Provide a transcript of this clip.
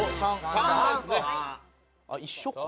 ３。一緒か。